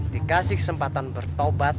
dikasih kesempatan bertobat